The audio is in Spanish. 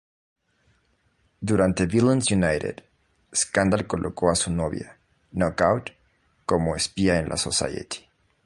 Durante "Villains United", Scandal colocó a su novia, Knockout, como espía en la Society.